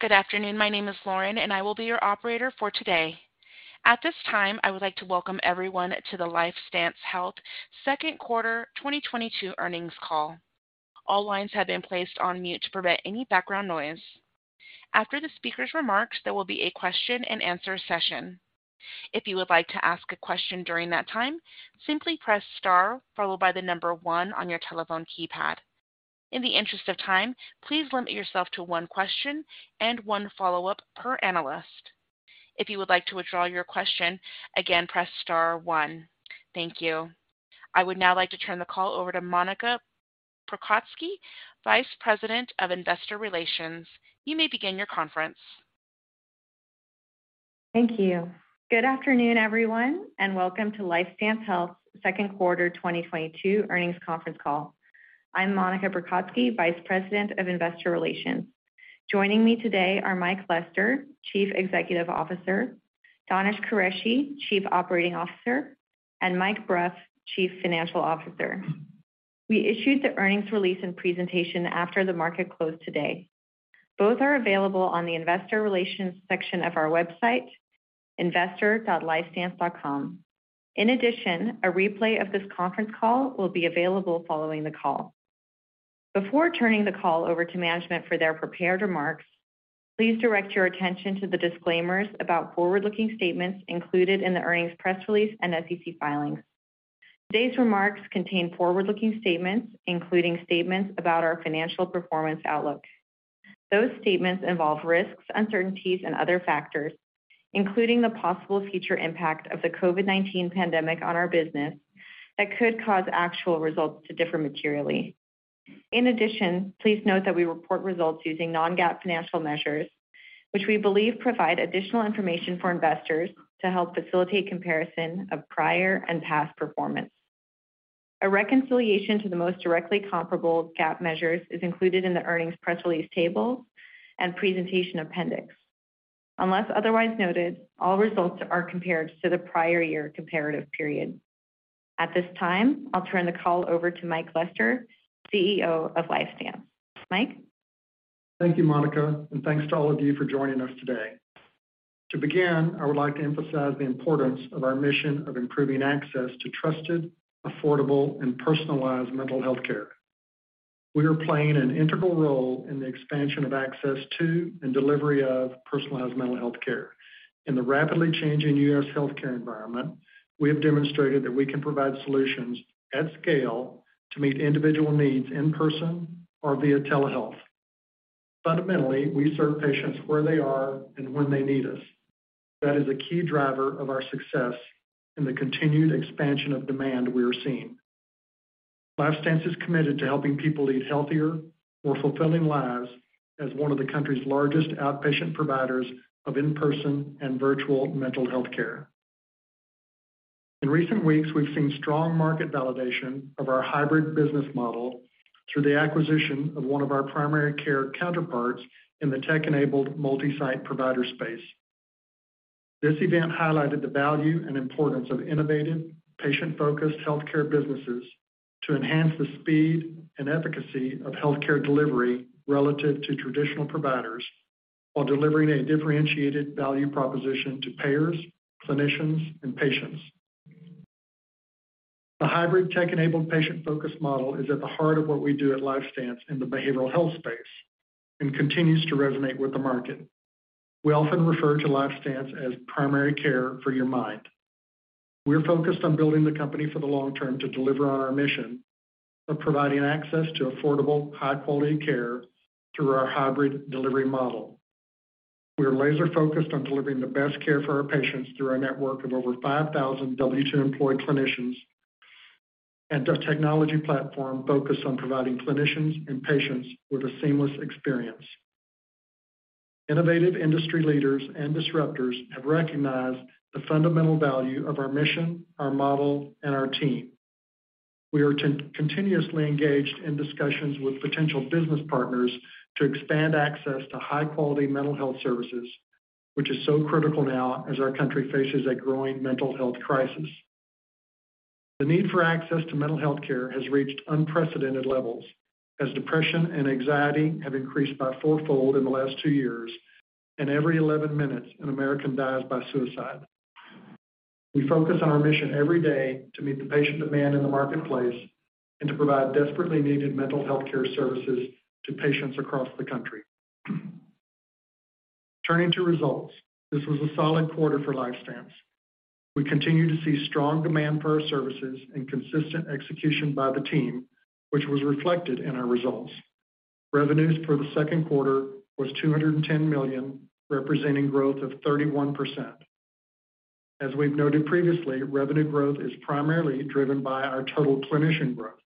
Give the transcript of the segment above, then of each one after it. Good afternoon. My name is Lauren, and I will be your operator for today. At this time, I would like to welcome everyone to the LifeStance Health Second Quarter 2022 Earnings Call. All lines have been placed on mute to prevent any background noise. After the speaker's remarks, there will be a question-and-answer session. If you would like to ask a question during that time, simply press star followed by the number one on your telephone keypad. In the interest of time, please limit yourself to one question and one follow-up per analyst. If you would like to withdraw your question, again, press star one. Thank you. I would now like to turn the call over to Monica Prokocki, Vice President of Investor Relations. You may begin your conference. Thank you. Good afternoon, everyone, and welcome to LifeStance Health Second Quarter 2022 Earnings Conference Call. I'm Monica Prokocki, Vice President of Investor Relations. Joining me today are Mike Lester, Chief Executive Officer, Danish Qureshi, Chief Operating Officer, and Mike Bruff, Chief Financial Officer. We issued the earnings release and presentation after the market closed today. Both are available on the Investor Relations section of our website, investor.lifestance.com. In addition, a replay of this conference call will be available following the call. Before turning the call over to management for their prepared remarks, please direct your attention to the disclaimers about forward-looking statements included in the earnings press release and SEC filings. Today's remarks contain forward-looking statements, including statements about our financial performance outlook. Those statements involve risks, uncertainties, and other factors, including the possible future impact of the COVID-19 pandemic on our business that could cause actual results to differ materially. In addition, please note that we report results using non-GAAP financial measures, which we believe provide additional information for investors to help facilitate comparison of prior and past performance. A reconciliation to the most directly comparable GAAP measures is included in the earnings press release table and presentation appendix. Unless otherwise noted, all results are compared to the prior year comparative period. At this time, I'll turn the call over to Mike Lester, CEO of LifeStance. Mike. Thank you, Monica, and thanks to all of you for joining us today. To begin, I would like to emphasize the importance of our mission of improving access to trusted, affordable, and personalized mental health care. We are playing an integral role in the expansion of access to and delivery of personalized mental health care. In the rapidly changing U.S. healthcare environment, we have demonstrated that we can provide solutions at scale to meet individual needs in person or via telehealth. Fundamentally, we serve patients where they are and when they need us. That is a key driver of our success and the continued expansion of demand we are seeing. LifeStance is committed to helping people lead healthier, more fulfilling lives as one of the country's largest outpatient providers of in-person and virtual mental health care. In recent weeks, we've seen strong market validation of our hybrid business model through the acquisition of one of our primary care counterparts in the tech-enabled multi-site provider space. This event highlighted the value and importance of innovative, patient-focused healthcare businesses to enhance the speed and efficacy of healthcare delivery relative to traditional providers while delivering a differentiated value proposition to payers, clinicians, and patients. The hybrid tech-enabled patient focus model is at the heart of what we do at LifeStance in the behavioral health space and continues to resonate with the market. We often refer to LifeStance as primary care for your mind. We're focused on building the company for the long term to deliver on our mission of providing access to affordable, high-quality care through our hybrid delivery model. We are laser-focused on delivering the best care for our patients through our network of over 5,000 W2 employed clinicians and a technology platform focused on providing clinicians and patients with a seamless experience. Innovative industry leaders and disruptors have recognized the fundamental value of our mission, our model, and our team. We are continuously engaged in discussions with potential business partners to expand access to high-quality mental health services, which is so critical now as our country faces a growing mental health crisis. The need for access to mental health care has reached unprecedented levels as depression and anxiety have increased by four-fold in the last two years, and every 11 minutes, an American dies by suicide. We focus on our mission every day to meet the patient demand in the marketplace and to provide desperately needed mental health care services to patients across the country. Turning to results. This was a solid quarter for LifeStance. We continue to see strong demand for our services and consistent execution by the team, which was reflected in our results. Revenues for the second quarter was $210 million, representing growth of 31%. As we've noted previously, revenue growth is primarily driven by our total clinician growth.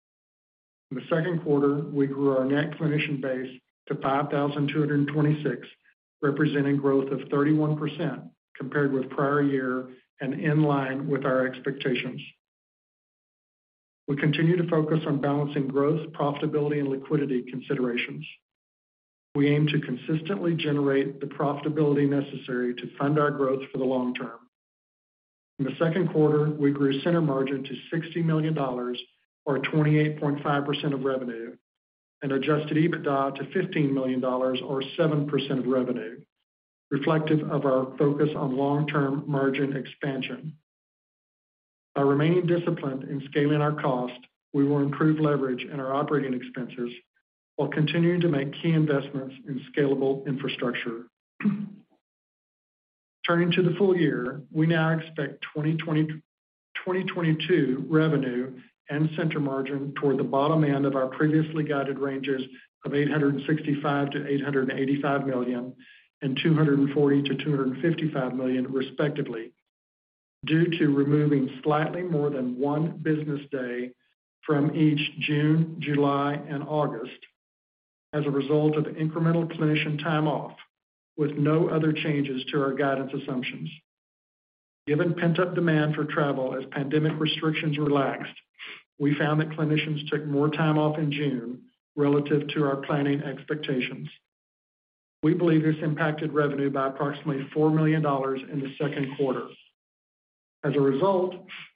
In the second quarter, we grew our net clinician base to 5,226, representing growth of 31% compared with prior year and in line with our expectations. We continue to focus on balancing growth, profitability, and liquidity considerations. We aim to consistently generate the profitability necessary to fund our growth for the long term. In the second quarter, we grew center margin to $60 million or 28.5% of revenue, and adjusted EBITDA to $15 million or 7% of revenue, reflective of our focus on long-term margin expansion. By remaining disciplined in scaling our cost, we will improve leverage in our operating expenses while continuing to make key investments in scalable infrastructure. Turning to the full year, we now expect 2022 revenue and center margin toward the bottom end of our previously guided ranges of $865 million-$885 million and $240 million-$255 million respectively, due to removing slightly more than one business day from each June, July and August as a result of incremental clinician time off, with no other changes to our guidance assumptions. Given pent-up demand for travel as pandemic restrictions relaxed, we found that clinicians took more time off in June relative to our planning expectations. We believe this impacted revenue by approximately $4 million in the second quarter. As a result,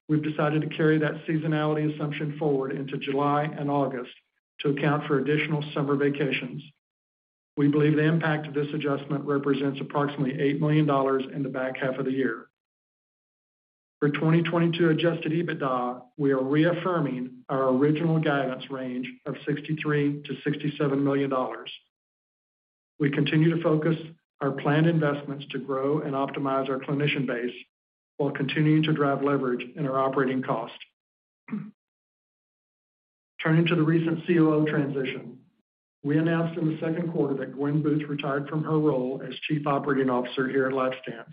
we've decided to carry that seasonality assumption forward into July and August to account for additional summer vacations. We believe the impact of this adjustment represents approximately $8 million in the back half of the year. For 2022 adjusted EBITDA, we are reaffirming our original guidance range of $63 million-$67 million. We continue to focus our planned investments to grow and optimize our clinician base while continuing to drive leverage in our operating cost. Turning to the recent COO transition. We announced in the second quarter that Gwyn Booth retired from her role as Chief Operating Officer here at LifeStance,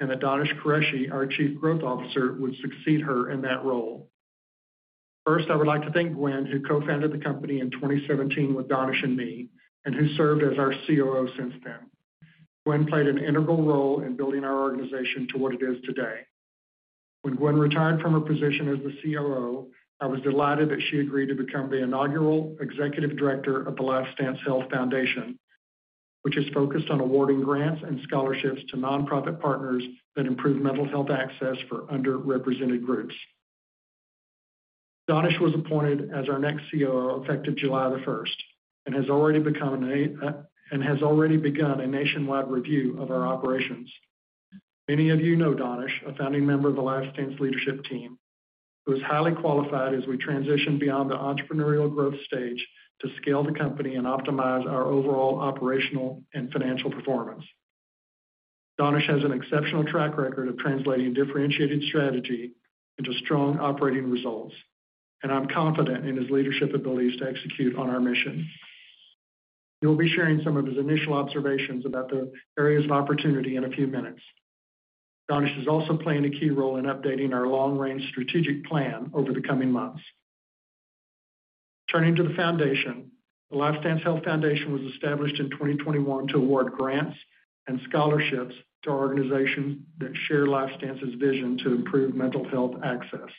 and that Danish Qureshi, our Chief Growth Officer, would succeed her in that role. First, I would like to thank Gwyn, who co-founded the company in 2017 with Danish and me, and who served as our COO since then. Gwyn played an integral role in building our organization to what it is today. When Gwen retired from her position as the COO, I was delighted that she agreed to become the inaugural Executive Director of the LifeStance Health Foundation, which is focused on awarding grants and scholarships to nonprofit partners that improve mental health access for underrepresented groups. Danish was appointed as our next COO, effective July 1st, and has already begun a nationwide review of our operations. Many of you know Danish, a founding member of the LifeStance leadership team, who is highly qualified as we transition beyond the entrepreneurial growth stage to scale the company and optimize our overall operational and financial performance. Danish has an exceptional track record of translating differentiated strategy into strong operating results, and I'm confident in his leadership abilities to execute on our mission. He'll be sharing some of his initial observations about the areas of opportunity in a few minutes. Danish is also playing a key role in updating our long-range strategic plan over the coming months. Turning to the foundation. The LifeStance Health Foundation was established in 2021 to award grants and scholarships to organizations that share LifeStance's vision to improve mental health access.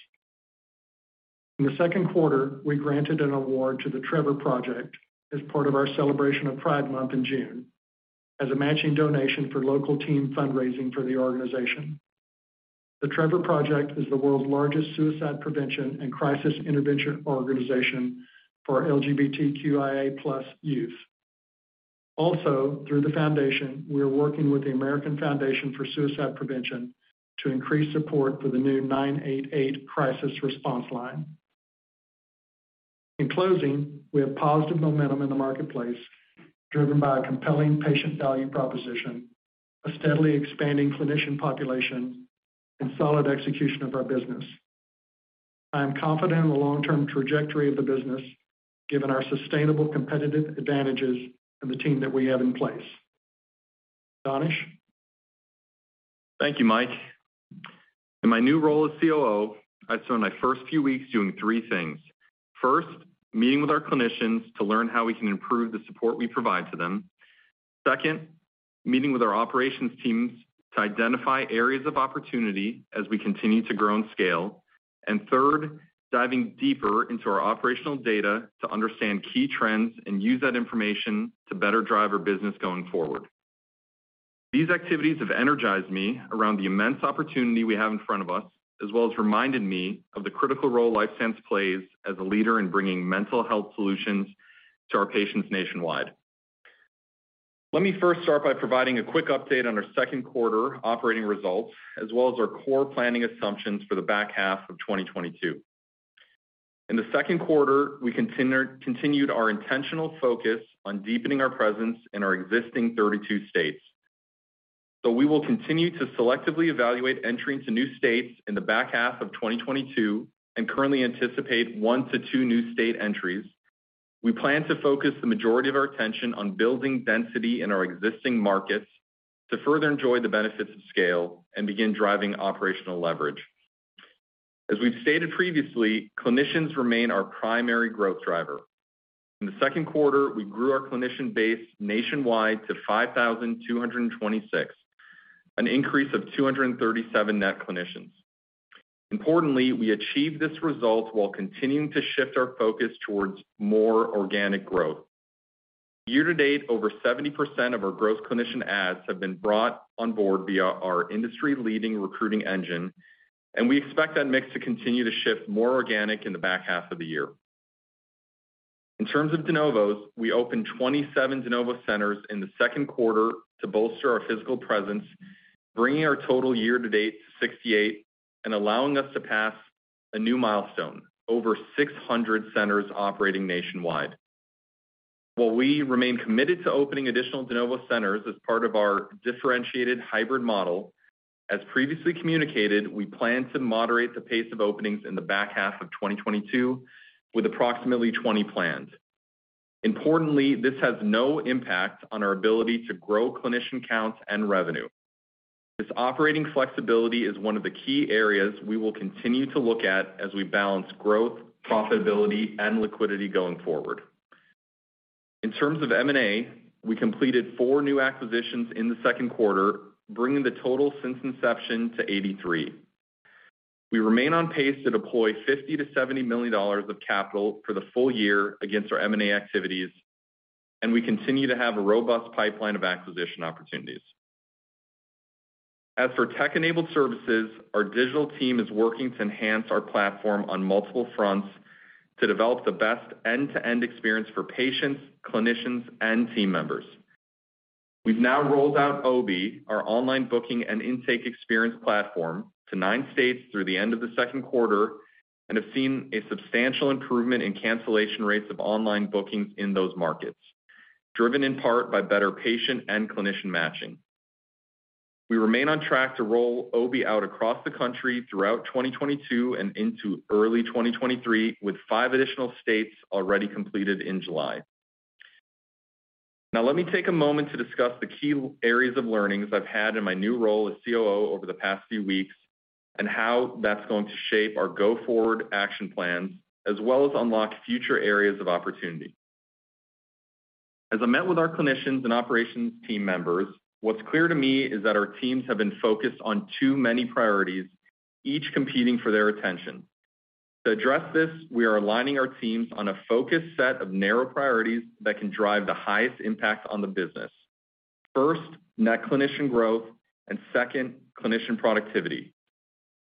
In the second quarter, we granted an award to the Trevor Project as part of our celebration of Pride Month in June as a matching donation for local team fundraising for the organization. The Trevor Project is the world's largest suicide prevention and crisis intervention organization for LGBTQIA+ youth. Also, through the foundation, we are working with the American Foundation for Suicide Prevention to increase support for the new 988 crisis response line. In closing, we have positive momentum in the marketplace, driven by a compelling patient value proposition, a steadily expanding clinician population, and solid execution of our business. I am confident in the long-term trajectory of the business, given our sustainable competitive advantages and the team that we have in place. Danish. Thank you, Mike. In my new role as COO, I've spent my first few weeks doing three things. First, meeting with our clinicians to learn how we can improve the support we provide to them. Second, meeting with our operations teams to identify areas of opportunity as we continue to grow and scale. Third, diving deeper into our operational data to understand key trends and use that information to better drive our business going forward. These activities have energized me around the immense opportunity we have in front of us, as well as reminded me of the critical role LifeStance plays as a leader in bringing mental health solutions to our patients nationwide. Let me first start by providing a quick update on our second quarter operating results, as well as our core planning assumptions for the back half of 2022. In the second quarter, we continued our intentional focus on deepening our presence in our existing 32 states. We will continue to selectively evaluate entry into new states in the back half of 2022, and currently anticipate one to two new state entries. We plan to focus the majority of our attention on building density in our existing markets to further enjoy the benefits of scale and begin driving operational leverage. As we've stated previously, clinicians remain our primary growth driver. In the second quarter, we grew our clinician base nationwide to 5,226, an increase of 237 net clinicians. Importantly, we achieved this result while continuing to shift our focus towards more organic growth. Year-to-date, over 70% of our growth clinician adds have been brought on board via our industry-leading recruiting engine, and we expect that mix to continue to shift more organic in the back half of the year. In terms of de novos, we opened 27 de novo centers in the second quarter to bolster our physical presence, bringing our total year to date to 68 and allowing us to pass a new milestone, over 600 centers operating nationwide. While we remain committed to opening additional de novo centers as part of our differentiated hybrid model, as previously communicated, we plan to moderate the pace of openings in the back half of 2022 with approximately 20 planned. Importantly, this has no impact on our ability to grow clinician counts and revenue. This operating flexibility is one of the key areas we will continue to look at as we balance growth, profitability and liquidity going forward. In terms of M&A, we completed four new acquisitions in the second quarter, bringing the total since inception to 83. We remain on pace to deploy $50-$70 million of capital for the full year against our M&A activities, and we continue to have a robust pipeline of acquisition opportunities. As for tech-enabled services, our digital team is working to enhance our platform on multiple fronts to develop the best end-to-end experience for patients, clinicians and team members. We've now rolled out OBIE, our online booking and intake experience platform, to nine states through the end of the second quarter and have seen a substantial improvement in cancellation rates of online bookings in those markets, driven in part by better patient and clinician matching. We remain on track to roll OBIE out across the country throughout 2022 and into early 2023, with five additional states already completed in July. Now, let me take a moment to discuss the key areas of learnings I've had in my new role as COO over the past few weeks, and how that's going to shape our go-forward action plans, as well as unlock future areas of opportunity. As I met with our clinicians and operations team members, what's clear to me is that our teams have been focused on too many priorities, each competing for their attention. To address this, we are aligning our teams on a focused set of narrow priorities that can drive the highest impact on the business. First, net clinician growth, and second, clinician productivity.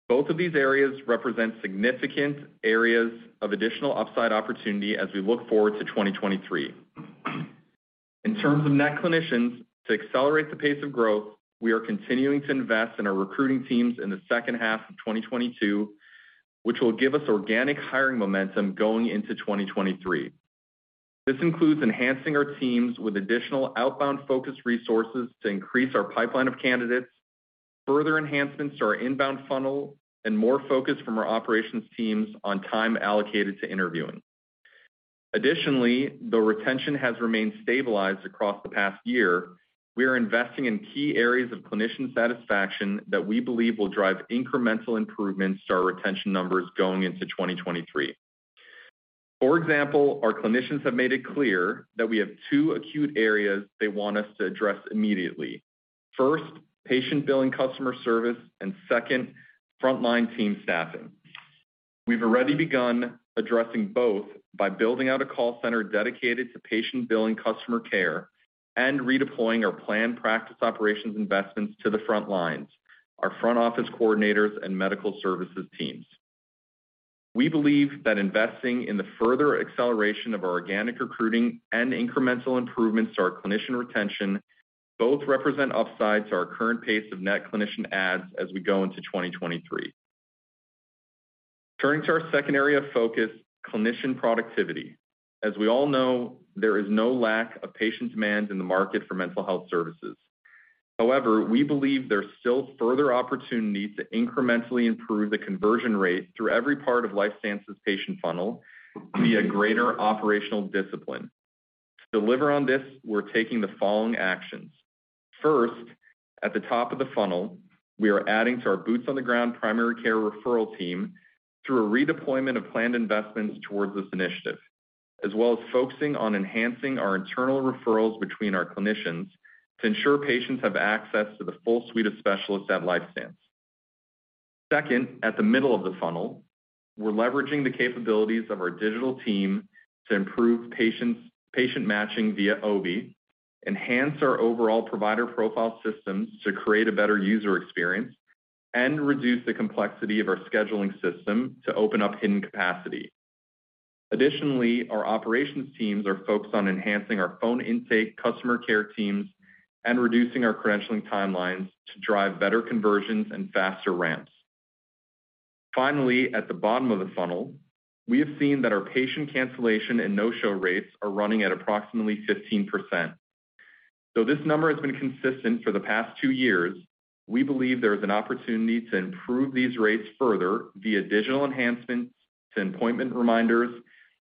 Both of these areas represent significant areas of additional upside opportunity as we look forward to 2023. In terms of net clinicians, to accelerate the pace of growth, we are continuing to invest in our recruiting teams in the second half of 2022, which will give us organic hiring momentum going into 2023. This includes enhancing our teams with additional outbound-focused resources to increase our pipeline of candidates, further enhancements to our inbound funnel, and more focus from our operations teams on time allocated to interviewing. Additionally, though retention has remained stabilized across the past year, we are investing in key areas of clinician satisfaction that we believe will drive incremental improvements to our retention numbers going into 2023. For example, our clinicians have made it clear that we have two acute areas they want us to address immediately. First, patient billing customer service, and second, frontline team staffing. We've already begun addressing both by building out a call center dedicated to patient billing customer care, and redeploying our planned practice operations investments to the front lines, our front office coordinators and medical services teams. We believe that investing in the further acceleration of our organic recruiting and incremental improvements to our clinician retention both represent upsides to our current pace of net clinician adds as we go into 2023. Turning to our second area of focus, clinician productivity. As we all know, there is no lack of patient demand in the market for mental health services. However, we believe there's still further opportunity to incrementally improve the conversion rate through every part of LifeStance's patient funnel via greater operational discipline. To deliver on this, we're taking the following actions. First, at the top of the funnel, we are adding to our boots on the ground primary care referral team through a redeployment of planned investments towards this initiative, as well as focusing on enhancing our internal referrals between our clinicians to ensure patients have access to the full suite of specialists at LifeStance. Second, at the middle of the funnel, we're leveraging the capabilities of our digital team to improve patient matching via OBIE, enhance our overall provider profile systems to create a better user experience, and reduce the complexity of our scheduling system to open up hidden capacity. Additionally, our operations teams are focused on enhancing our phone intake customer care teams and reducing our credentialing timelines to drive better conversions and faster ramps. Finally, at the bottom of the funnel, we have seen that our patient cancellation and no-show rates are running at approximately 15%. Though this number has been consistent for the past two years, we believe there is an opportunity to improve these rates further via digital enhancements to appointment reminders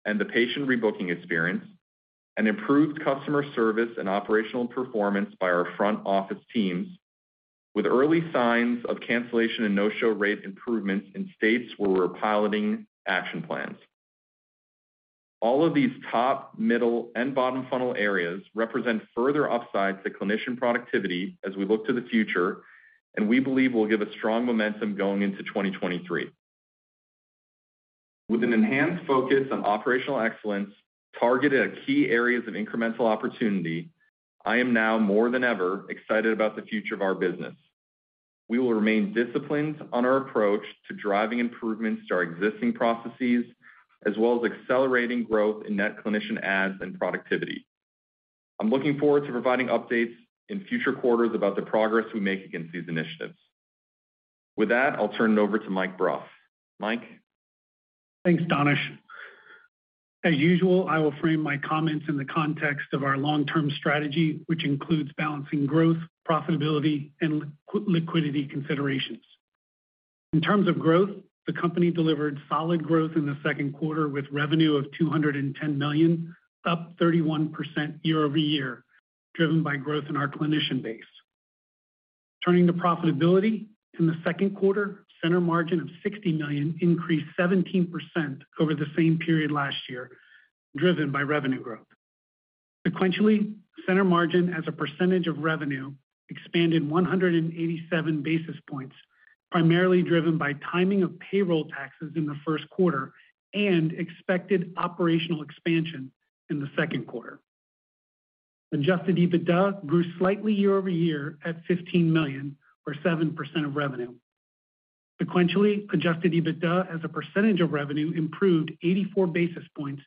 and the patient rebooking experience, and improved customer service and operational performance by our front office teams with early signs of cancellation and no-show rate improvements in states where we're piloting action plans. All of these top, middle, and bottom funnel areas represent further upsides to clinician productivity as we look to the future, and we believe will give us strong momentum going into 2023. With an enhanced focus on operational excellence targeted at key areas of incremental opportunity, I am now more than ever excited about the future of our business. We will remain disciplined on our approach to driving improvements to our existing processes, as well as accelerating growth in net clinician adds and productivity. I'm looking forward to providing updates in future quarters about the progress we make against these initiatives. With that, I'll turn it over to Mike Bruff. Mike? Thanks, Danish. As usual, I will frame my comments in the context of our long-term strategy, which includes balancing growth, profitability, and liquidity considerations. In terms of growth, the company delivered solid growth in the second quarter with revenue of $210 million, up 31% year-over-year, driven by growth in our clinician base. Turning to profitability, in the second quarter, center margin of $60 million increased 17% over the same period last year, driven by revenue growth. Sequentially, center margin as a percentage of revenue expanded 187 basis points, primarily driven by timing of payroll taxes in the first quarter and expected operational expansion in the second quarter. Adjusted EBITDA grew slightly year-over-year at $15 million or 7% of revenue. Sequentially, adjusted EBITDA as a percentage of revenue improved 84 basis points,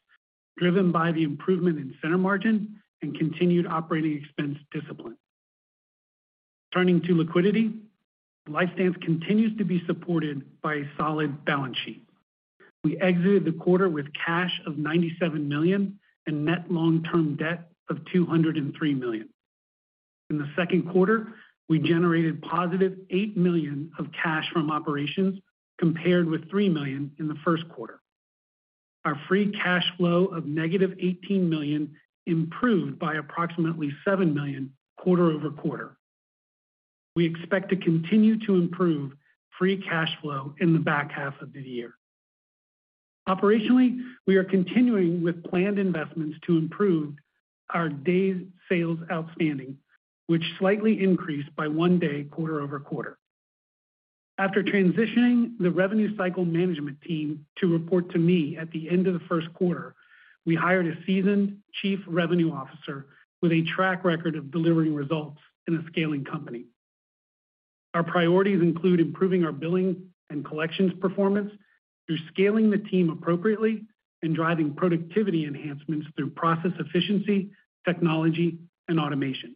driven by the improvement in center margin and continued operating expense discipline. Turning to liquidity, LifeStance continues to be supported by a solid balance sheet. We exited the quarter with cash of $97 million and net long-term debt of $203 million. In the second quarter, we generated positive $8 million of cash from operations compared with $3 million in the first quarter. Our free cash flow of negative $18 million improved by approximately $7 million quarter-over-quarter. We expect to continue to improve free cash flow in the back half of the year. Operationally, we are continuing with planned investments to improve our days sales outstanding, which slightly increased by one day quarter-over-quarter. After transitioning the revenue cycle management team to report to me at the end of the first quarter, we hired a seasoned chief revenue officer with a track record of delivering results in a scaling company. Our priorities include improving our billing and collections performance through scaling the team appropriately and driving productivity enhancements through process efficiency, technology and automation.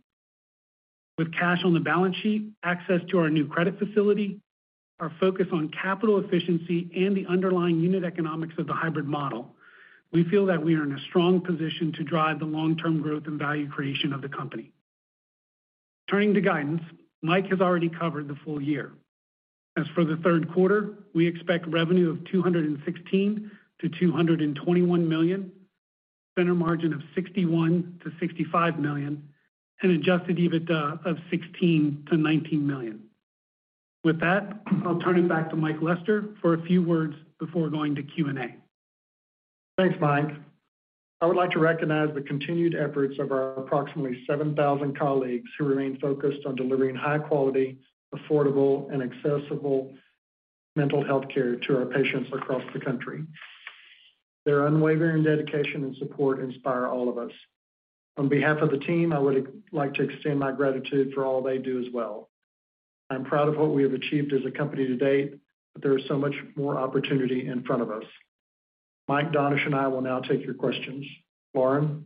With cash on the balance sheet, access to our new credit facility, our focus on capital efficiency and the underlying unit economics of the hybrid model, we feel that we are in a strong position to drive the long-term growth and value creation of the company. Turning to guidance, Mike has already covered the full year. As for the third quarter, we expect revenue of $216-$221 million, center margin of $61-$65 million, and adjusted EBITDA of $16-$19 million. With that, I'll turn it back to Mike Lester for a few words before going to Q&A. Thanks, Mike. I would like to recognize the continued efforts of our approximately 7,000 colleagues who remain focused on delivering high quality, affordable and accessible mental health care to our patients across the country. Their unwavering dedication and support inspire all of us. On behalf of the team, I would like to extend my gratitude for all they do as well. I'm proud of what we have achieved as a company to date, but there is so much more opportunity in front of us. Mike, Danish and I will now take your questions. Lauren.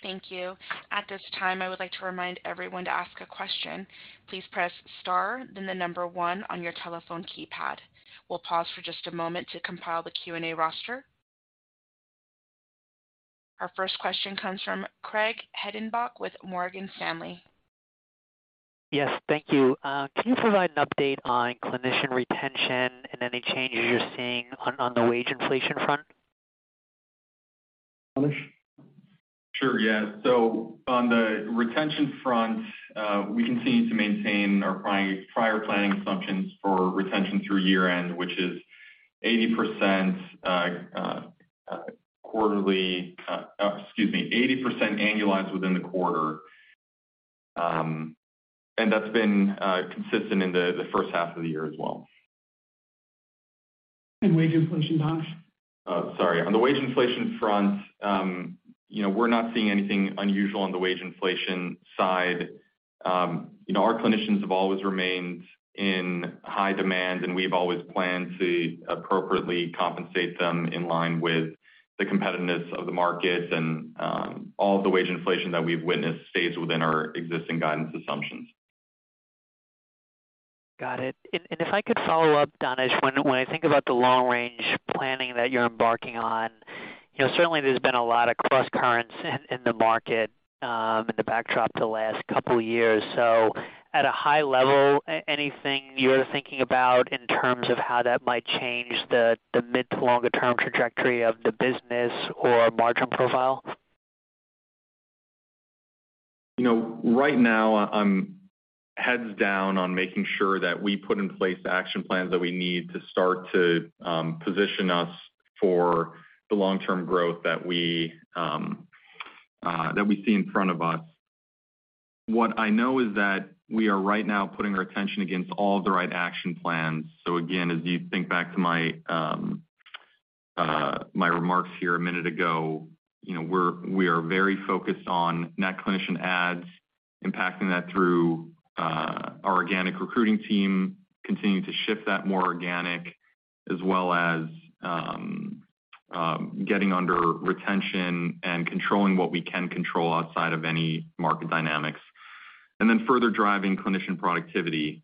Thank you. At this time, I would like to remind everyone to ask a question. Please press star then the number one on your telephone keypad. We'll pause for just a moment to compile the Q&A roster. Our first question comes from Craig Hettenbach with Morgan Stanley. Yes, thank you. Can you provide an update on clinician retention and any changes you're seeing on the wage inflation front? Danish? Sure. Yeah. On the retention front, we continue to maintain our prior planning assumptions for retention through year-end, which is 80% annualized within the quarter. That's been consistent in the first half of the year as well. Wage inflation, Danish. Sorry. On the wage inflation front, you know, we're not seeing anything unusual on the wage inflation side. You know, our clinicians have always remained in high demand, and we've always planned to appropriately compensate them in line with the competitiveness of the market and, all the wage inflation that we've witnessed stays within our existing guidance assumptions. Got it. If I could follow up, Danish. When I think about the long-range planning that you're embarking on, you know, certainly there's been a lot of crosscurrents in the market, in the backdrop the last couple years. At a high level, anything you're thinking about in terms of how that might change the mid to longer term trajectory of the business or margin profile? You know, right now I'm heads down on making sure that we put in place action plans that we need to start to position us for the long-term growth that we see in front of us. What I know is that we are right now putting our attention against all of the right action plans. Again, as you think back to my remarks here a minute ago, you know, we are very focused on net clinician adds, impacting that through our organic recruiting team, continuing to shift that more organic, as well as getting under retention and controlling what we can control outside of any market dynamics. Further driving clinician productivity.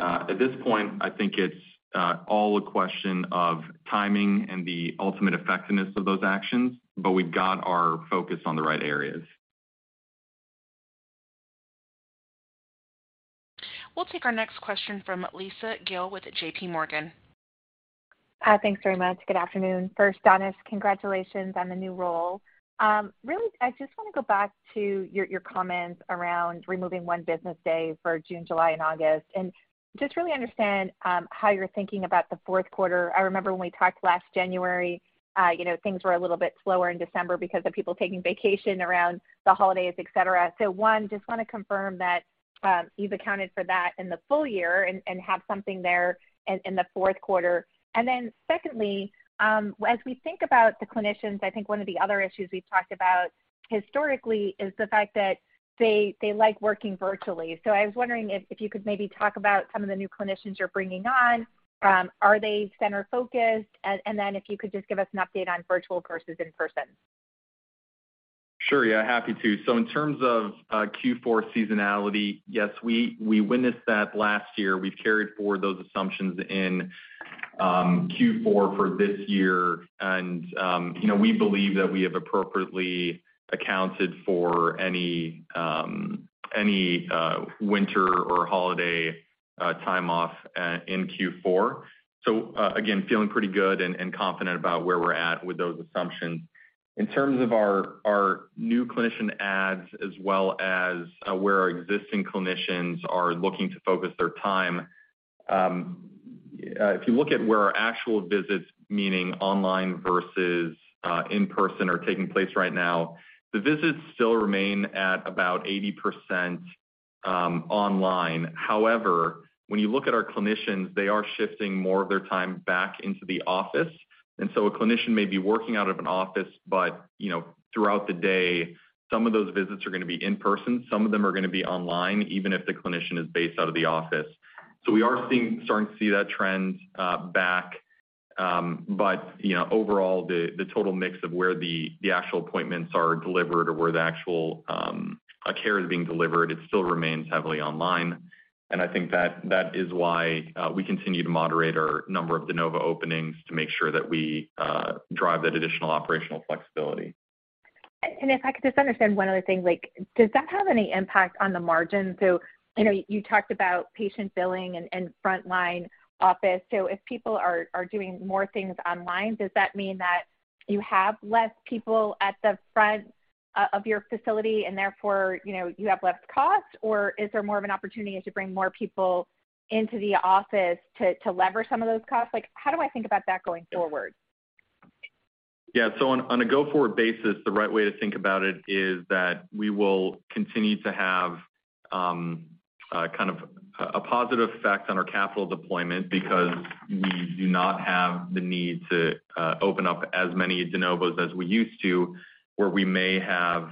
At this point, I think it's all a question of timing and the ultimate effectiveness of those actions, but we've got our focus on the right areas. We'll take our next question from Lisa Gill with JPMorgan. Thanks very much. Good afternoon. First, Danish, congratulations on the new role. Really, I just wanna go back to your comments around removing one business day for June, July and August and just really understand how you're thinking about the fourth quarter. I remember when we talked last January, you know, things were a little bit slower in December because of people taking vacation around the holidays, et cetera. One, just wanna confirm that you've accounted for that in the full year and have something there in the fourth quarter. Secondly, as we think about the clinicians, I think one of the other issues we've talked about historically is the fact that they like working virtually. I was wondering if you could maybe talk about some of the new clinicians you're bringing on. Are they center-focused? If you could just give us an update on virtual versus in-person. Sure. Yeah, happy to. In terms of Q4 seasonality, yes, we witnessed that last year. We've carried forward those assumptions in Q4 for this year. You know, we believe that we have appropriately accounted for any winter or holiday time off in Q4. Again, feeling pretty good and confident about where we're at with those assumptions. In terms of our new clinician adds as well as where our existing clinicians are looking to focus their time, if you look at where our actual visits, meaning online versus in-person are taking place right now, the visits still remain at about 80% online. However, when you look at our clinicians, they are shifting more of their time back into the office. A clinician may be working out of an office, but, you know, throughout the day, some of those visits are gonna be in person, some of them are gonna be online, even if the clinician is based out of the office. We are starting to see that trend back. But you know, overall, the total mix of where the actual appointments are delivered or where the actual care is being delivered, it still remains heavily online. I think that is why we continue to moderate our number of de novo openings to make sure that we drive that additional operational flexibility. If I could just understand one other thing, like does that have any impact on the margin? I know you talked about patient billing and frontline office. If people are doing more things online, does that mean that you have less people at the front of your facility and therefore, you know, you have less costs? Or is there more of an opportunity to bring more people into the office to leverage some of those costs? Like, how do I think about that going forward? Yeah. On a go-forward basis, the right way to think about it is that we will continue to have kind of a positive effect on our capital deployment because we do not have the need to open up as many de novos as we used to, where we may have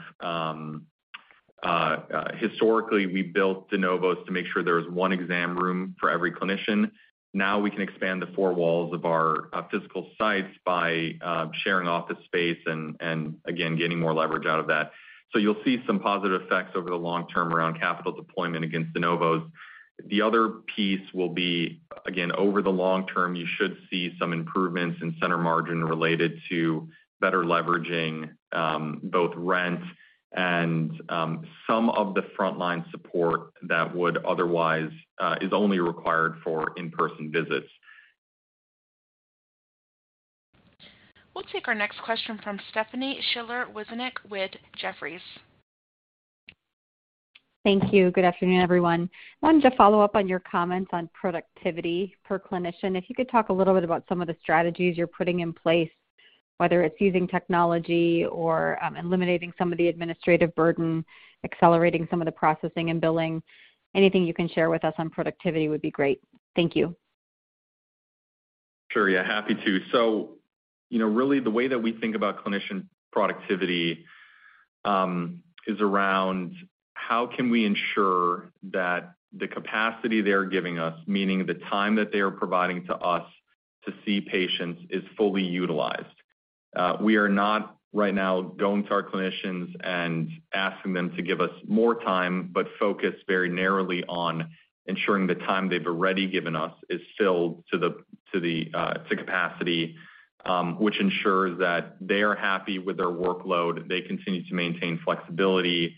historically, we built de novos to make sure there was one exam room for every clinician. Now we can expand the four walls of our physical sites by sharing office space and again, getting more leverage out of that. You'll see some positive effects over the long term around capital deployment against de novos. The other piece will be, again, over the long term, you should see some improvements in center margin related to better leveraging, both rent and, some of the frontline support that would otherwise, is only required for in-person visits. We'll take our next question from Stephanie Schiller Wissink with Jefferies. Thank you. Good afternoon, everyone. Wanted to follow up on your comments on productivity per clinician. If you could talk a little bit about some of the strategies you're putting in place, whether it's using technology or, eliminating some of the administrative burden, accelerating some of the processing and billing. Anything you can share with us on productivity would be great. Thank you. Sure. Yeah, happy to. You know, really the way that we think about clinician productivity is around how can we ensure that the capacity they're giving us, meaning the time that they are providing to us to see patients, is fully utilized. We are not right now going to our clinicians and asking them to give us more time, but focus very narrowly on ensuring the time they've already given us is filled to capacity, which ensures that they are happy with their workload, they continue to maintain flexibility,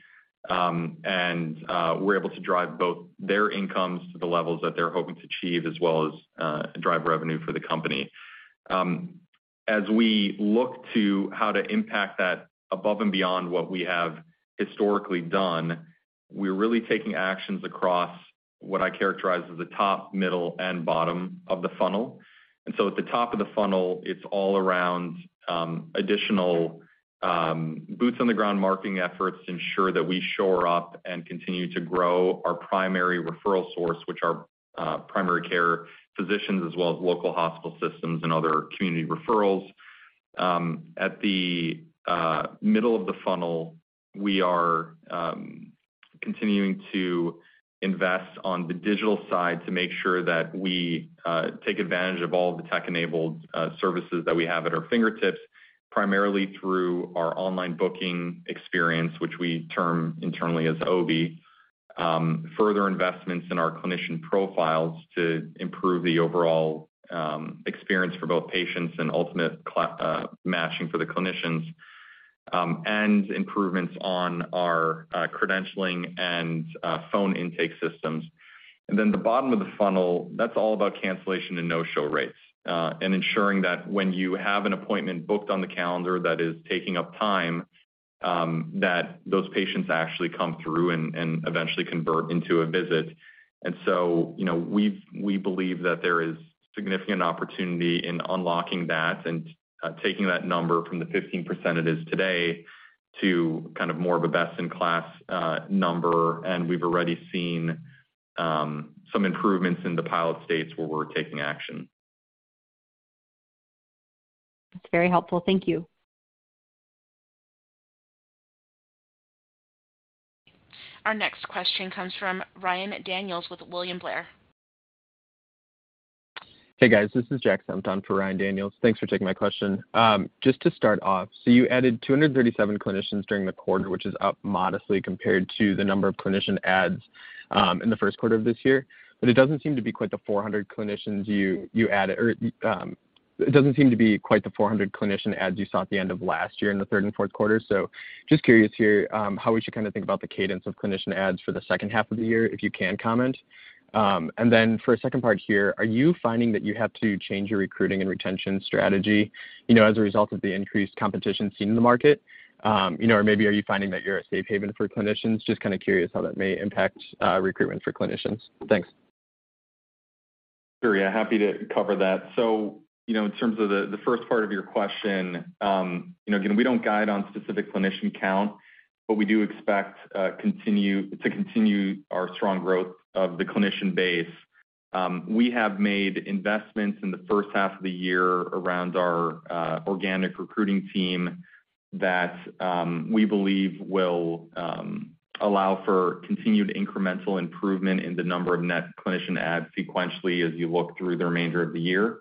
and we're able to drive both their incomes to the levels that they're hoping to achieve, as well as drive revenue for the company. As we look to how to impact that above and beyond what we have historically done, we're really taking actions across what I characterize as the top, middle, and bottom of the funnel. At the top of the funnel, it's all around additional boots on the ground marketing efforts to ensure that we shore up and continue to grow our primary referral source, which are primary care physicians as well as local hospital systems and other community referrals. At the middle of the funnel, we are continuing to invest on the digital side to make sure that we take advantage of all the tech-enabled services that we have at our fingertips, primarily through our online booking experience, which we term internally as OB. Further investments in our clinician profiles to improve the overall experience for both patients and ultimate matching for the clinicians, and improvements on our credentialing and phone intake systems. Then the bottom of the funnel, that's all about cancellation and no-show rates, and ensuring that when you have an appointment booked on the calendar that is taking up time, that those patients actually come through and eventually convert into a visit. You know, we believe that there is significant opportunity in unlocking that and taking that number from the 15% it is today to kind of more of a best-in-class number, and we've already seen some improvements in the pilot states where we're taking action. That's very helpful. Thank you. Our next question comes from Ryan Daniels with William Blair. Hey, guys. This is Jack Senft for Ryan Daniels. Thanks for taking my question. Just to start off, you added 237 clinicians during the quarter, which is up modestly compared to the number of clinician adds in the first quarter of this year. It doesn't seem to be quite the 400 clinician adds you saw at the end of last year in the third and fourth quarter. Just curious here, how we should kinda think about the cadence of clinician adds for the second half of the year, if you can comment. For a second part here, are you finding that you have to change your recruiting and retention strategy, you know, as a result of the increased competition seen in the market? You know, or maybe are you finding that you're a safe haven for clinicians? Just kinda curious how that may impact recruitment for clinicians. Thanks. Sure. Yeah, happy to cover that. You know, in terms of the first part of your question, you know, again, we don't guide on specific clinician count, but we do expect to continue our strong growth of the clinician base. We have made investments in the first half of the year around our organic recruiting team that we believe will allow for continued incremental improvement in the number of net clinician adds sequentially as you look through the remainder of the year.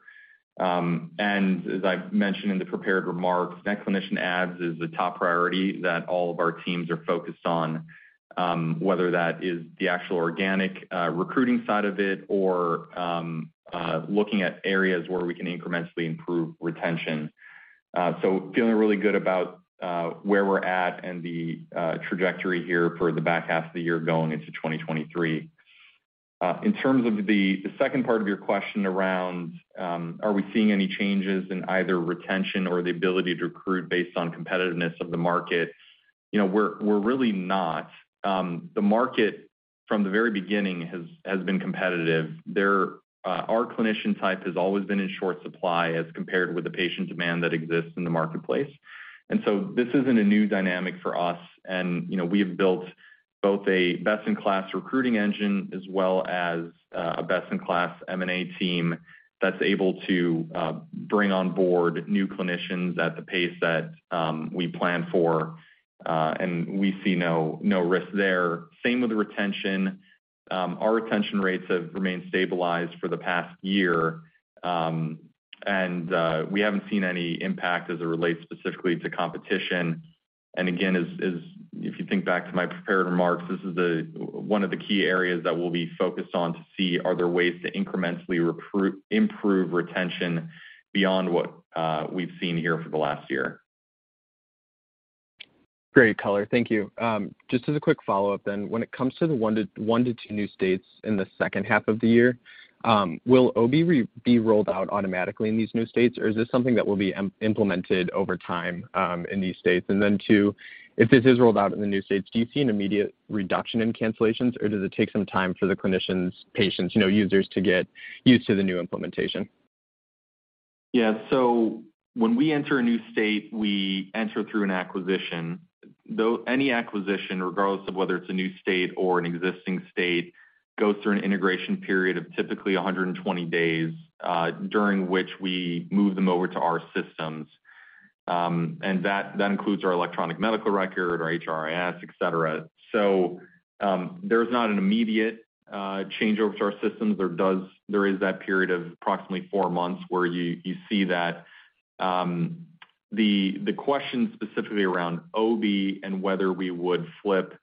As I've mentioned in the prepared remarks, net clinician adds is the top priority that all of our teams are focused on, whether that is the actual organic recruiting side of it or looking at areas where we can incrementally improve retention. Feeling really good about where we're at and the trajectory here for the back half of the year going into 2023. In terms of the second part of your question around are we seeing any changes in either retention or the ability to recruit based on competitiveness of the market? You know, we're really not. The market from the very beginning has been competitive. Our clinician type has always been in short supply as compared with the patient demand that exists in the marketplace. This isn't a new dynamic for us and, you know, we have built both a best-in-class recruiting engine as well as a best-in-class M&A team that's able to bring on board new clinicians at the pace that we plan for and we see no risk there. Same with retention. Our retention rates have remained stabilized for the past year, and we haven't seen any impact as it relates specifically to competition. Again, as if you think back to my prepared remarks, this is one of the key areas that we'll be focused on to see are there ways to incrementally improve retention beyond what we've seen here for the last year. Great color. Thank you. Just as a quick follow-up. When it comes to the one to two new states in the second half of the year, will OBIE be rolled out automatically in these new states, or is this something that will be implemented over time in these states? Two, if this is rolled out in the new states, do you see an immediate reduction in cancellations, or does it take some time for the clinicians' patients, you know, users to get used to the new implementation? Yeah. When we enter a new state, we enter through an acquisition. Though any acquisition, regardless of whether it's a new state or an existing state, goes through an integration period of typically 120 days, during which we move them over to our systems. That includes our electronic medical record, our HRIS, et cetera. There's not an immediate change over to our systems. There is that period of approximately four months where you see that. The question specifically around OB and whether we would flip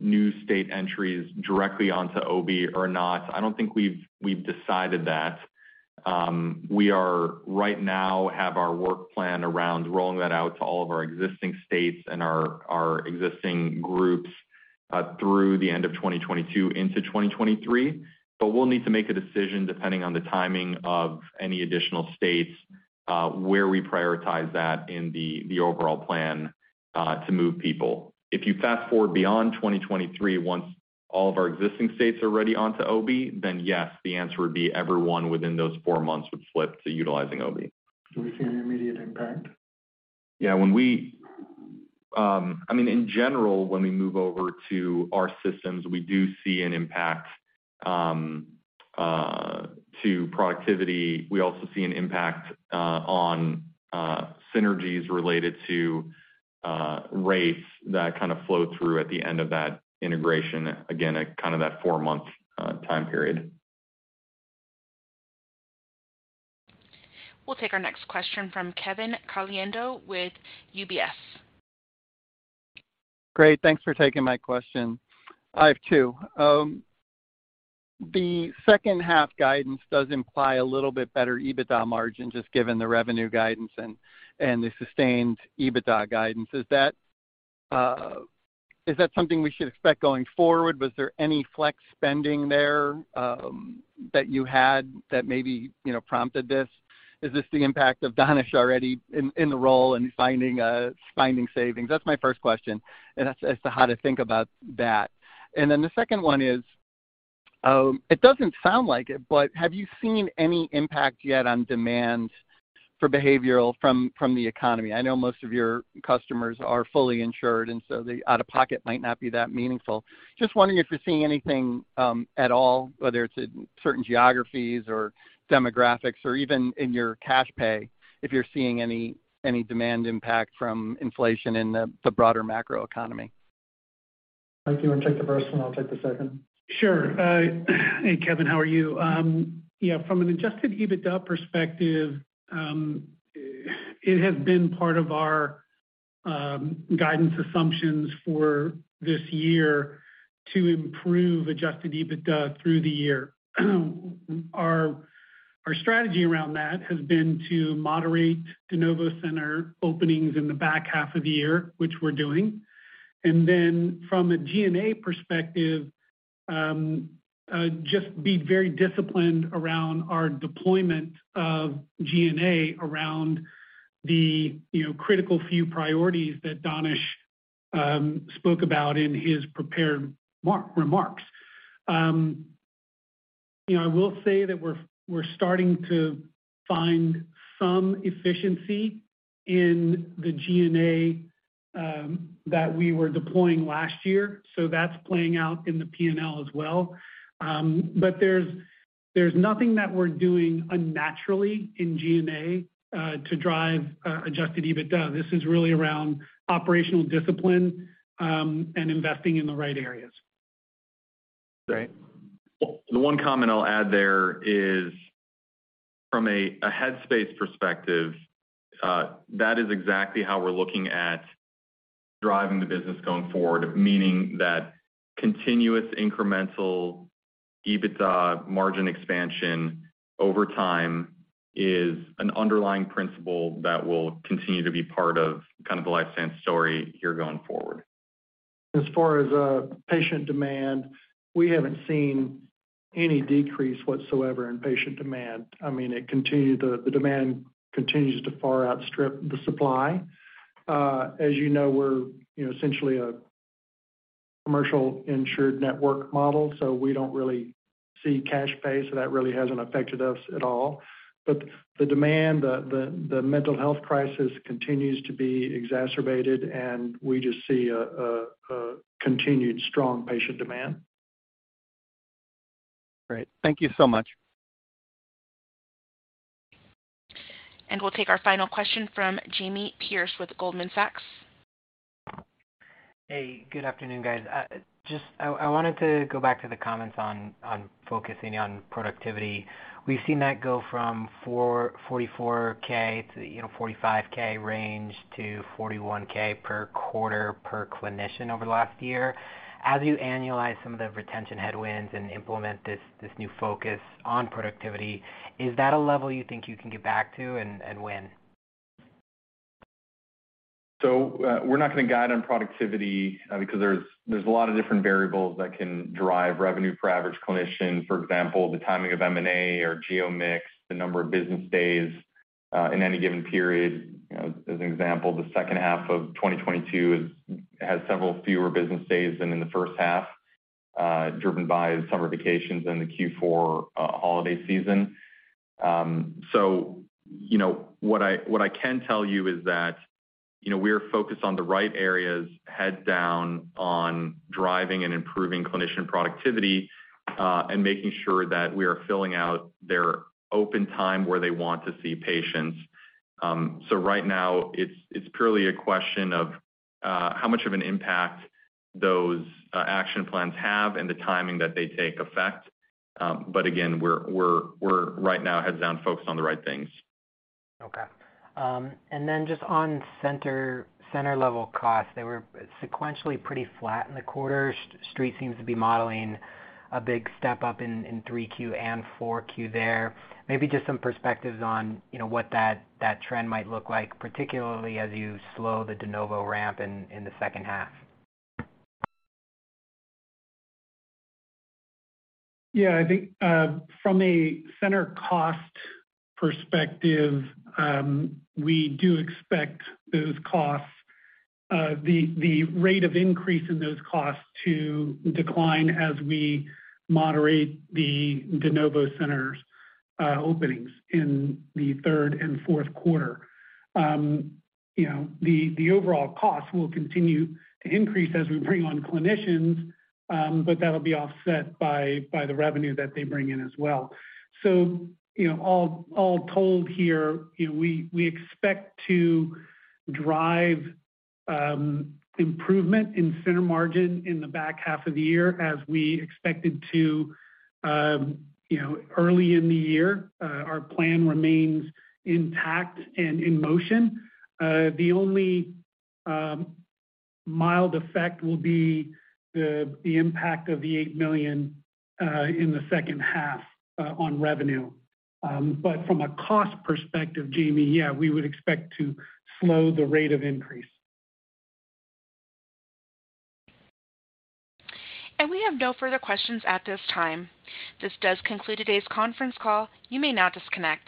new state entries directly onto OB or not, I don't think we've decided that. We right now have our work plan around rolling that out to all of our existing states and our existing groups, through the end of 2022 into 2023. We'll need to make a decision depending on the timing of any additional states, where we prioritize that in the overall plan to move people. If you fast forward beyond 2023, once all of our existing states are already onto OB, then yes, the answer would be everyone within those four months would flip to utilizing OB. Do we see an immediate impact? Yeah. I mean, in general, when we move over to our systems, we do see an impact to productivity. We also see an impact on synergies related to rates that kind of flow through at the end of that integration. Again, at kind of that four-month time period. We'll take our next question from Kevin Caliendo with UBS. Great. Thanks for taking my question. I have two. The second half guidance does imply a little bit better EBITDA margin just given the revenue guidance and the sustained EBITDA guidance. Is that something we should expect going forward? Was there any flex spending there that you had that maybe, you know, prompted this? Is this the impact of Danish already in the role and finding savings? That's my first question, and that's as to how to think about that. The second one is, it doesn't sound like it, but have you seen any impact yet on demand for behavioral from the economy? I know most of your customers are fully insured, and so the out-of-pocket might not be that meaningful. Just wondering if you're seeing anything at all, whether it's in certain geographies or demographics or even in your cash pay, if you're seeing any demand impact from inflation in the broader macro economy. Mike, do you wanna take the first one? I'll take the second. Sure. Hey, Kevin. How are you? Yeah, from an adjusted EBITDA perspective, it has been part of our guidance assumptions for this year to improve adjusted EBITDA through the year. Our strategy around that has been to moderate de novo center openings in the back half of the year, which we're doing. From a G&A perspective, just be very disciplined around our deployment of G&A around the critical few priorities that Danish spoke about in his prepared remarks. You know, I will say that we're starting to find some efficiency in the G&A that we were deploying last year, so that's playing out in the P&L as well. But there's nothing that we're doing unnaturally in G&A to drive adjusted EBITDA. This is really around operational discipline, and investing in the right areas. Great. The one comment I'll add there is from a headspace perspective, that is exactly how we're looking at driving the business going forward, meaning that continuous incremental EBITDA margin expansion over time is an underlying principle that will continue to be part of kind of the LifeStance story here going forward. As far as patient demand, we haven't seen any decrease whatsoever in patient demand. I mean, the demand continues to far outstrip the supply. As you know, we're, you know, essentially a commercial insured network model, so we don't really see cash pay, so that really hasn't affected us at all. But the demand, the mental health crisis continues to be exacerbated, and we just see a continued strong patient demand. Great. Thank you so much. We'll take our final question from Jamie Perse with Goldman Sachs. Hey, good afternoon, guys. I wanted to go back to the comments on focusing on productivity. We've seen that go from $44,000-$45,000 range to $41,000 per quarter per clinician over the last year. As you annualize some of the retention headwinds and implement this new focus on productivity, is that a level you think you can get back to and when? We're not gonna guide on productivity because there's a lot of different variables that can drive revenue per average clinician. For example, the timing of M&A or geo mix, the number of business days in any given period. You know, as an example, the second half of 2022 has several fewer business days than in the first half, driven by summer vacations and the Q4 holiday season. You know, what I can tell you is that, you know, we are focused on the right areas, heads down on driving and improving clinician productivity, and making sure that we are filling out their open time where they want to see patients. Right now it's purely a question of how much of an impact those action plans have and the timing that they take effect. Again, we're right now heads down focused on the right things. Just on center level costs, they were sequentially pretty flat in the quarter. Street seems to be modeling a big step-up in 3Q and 4Q there. Maybe just some perspectives on, you know, what that trend might look like, particularly as you slow the de novo ramp in the second half. Yeah. I think, from a center cost perspective, we do expect those costs, the rate of increase in those costs to decline as we moderate the de novo centers, openings in the third and fourth quarter. You know, the overall cost will continue to increase as we bring on clinicians, but that'll be offset by the revenue that they bring in as well. You know, all told here, you know, we expect to drive improvement in center margin in the back half of the year as we expected to, you know, early in the year. Our plan remains intact and in motion. The only mild effect will be the impact of the $8 million in the second half on revenue. From a cost perspective, Jamie, yeah, we would expect to slow the rate of increase. We have no further questions at this time. This does conclude today's conference call. You may now disconnect.